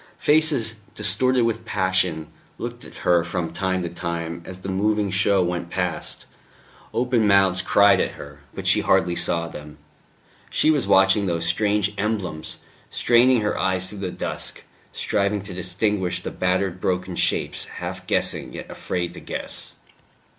Faces, distorted with passion, looked at her from time to time as the moving show went past, open mouths cried at her; but she hardly saw them. She was watching those strange emblems, straining her eyes through the dusk, striving to distinguish the battered broken shapes, half guessing, yet afraid to guess.